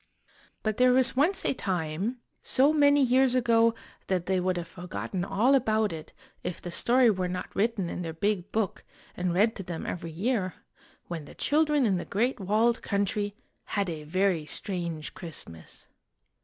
But there was once a time, so many years ago that they would have forgotten all about it if the story were not written in their Big Book and read to them every year, when the children in The Great Walled Country had a very strange Christmas.